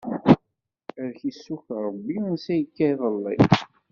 Ad k-issukk Ṛebbi ansi ikka iḍelli!